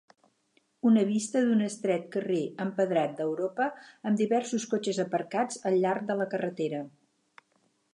Una vista d'un estret carrer empedrat d'Europa amb diversos cotxes aparcats al llarg de la carretera.